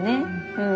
うん。